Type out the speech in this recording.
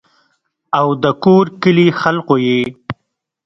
او دَکور کلي خلقو ئې